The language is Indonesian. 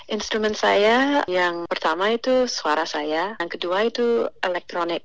instrumen saya yang pertama itu suara saya yang kedua itu elektronik